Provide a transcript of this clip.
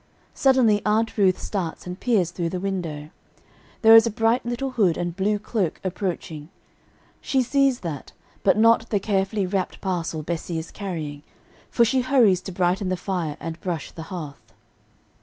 Suddenly Aunt Ruth starts and peers through the window. There is a bright little hood and blue cloak approaching; she sees that, but not the carefully wrapped parcel Bessie is carrying, for she hurries to brighten the fire and brush the hearth.